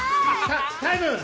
タタイム！